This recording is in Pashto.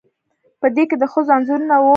په دې کې د ښځو انځورونه وو